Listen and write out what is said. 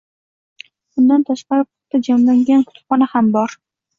Bundan tashqari puxta jamlangan kutubxona bor.